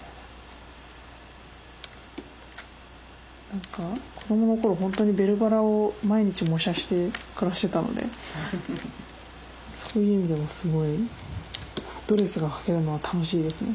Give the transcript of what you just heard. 何か子供の頃本当に「ベルばら」を毎日模写して暮らしてたのでそういう意味でもすごいドレスが描けるのは楽しいですね。